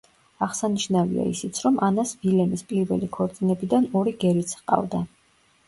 აღსანიშნავია ისიც, რომ ანას ვილემის პირველი ქორწინებიდან ორი გერიც ჰყავდა.